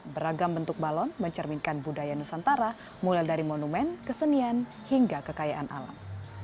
beragam bentuk balon mencerminkan budaya nusantara mulai dari monumen kesenian hingga kekayaan alam